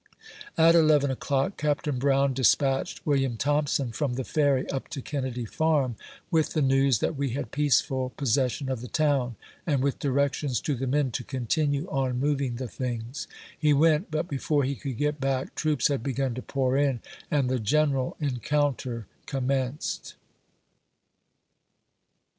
At eleven o'clock, Capt. Brown despatched William Thomp son from the Ferry up to Kennedy Farm, with the news that we had peaceful possession of the town, and with directions to the men to continue on moving the things. He went ; but before he could get back, troops had begun to pour in, and the general encounter commenced.